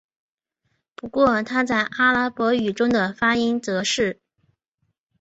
不过它在阿拉伯语中的发音则是。